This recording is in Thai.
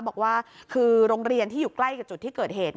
บอกว่าคือโรงเรียนที่อยู่ใกล้กับจุดที่เกิดเหตุ